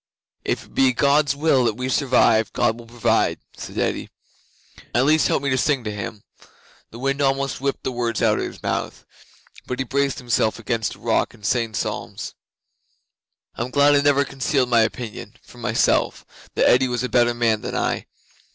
'"If it be God's will that we survive, God will provide," said Eddi. "At least help me to sing to Him." The wind almost whipped the words out of his mouth, but he braced himself against a rock and sang psalms. 'I'm glad I never concealed my opinion from myself that Eddi was a better man than I.